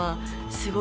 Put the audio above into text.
すごい。